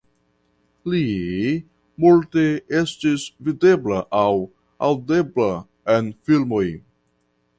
Li multe estis videbla aŭ aŭdebla en filmoj.